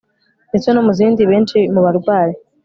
ndetse no mu zindi Benshi mu barwayi